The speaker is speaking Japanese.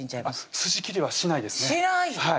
筋切りはしないですねしない！